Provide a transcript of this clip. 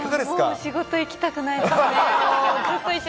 もう、仕事行きたくないですね、もう。